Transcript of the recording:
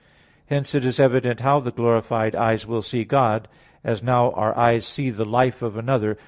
Hence it is evident how the glorified eyes will see God, as now our eyes see the life of another.